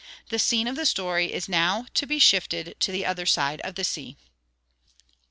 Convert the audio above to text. The scene of the story is now to be shifted to the other side of the sea. CHAPTER V.